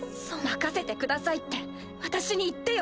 任せてくださいって私に言ってよ。